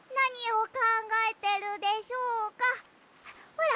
ほら！